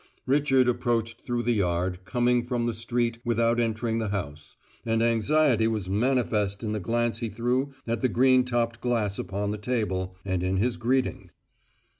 Richard approached through the yard, coming from the street without entering the house; and anxiety was manifest in the glance he threw at the green topped glass upon the table, and in his greeting.